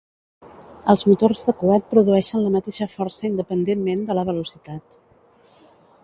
Els motors de coet produeixen la mateixa força independentment de la velocitat.